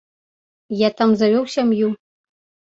Я там завёў сям'ю.